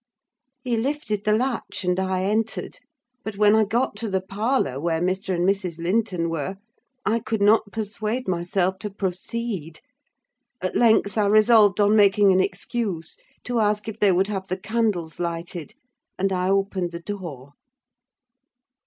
He lifted the latch, and I entered; but when I got to the parlour where Mr. and Mrs. Linton were, I could not persuade myself to proceed. At length I resolved on making an excuse to ask if they would have the candles lighted, and I opened the door.